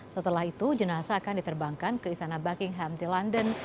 setelah itu jenazah akan diterbangkan ke istana buckingham di london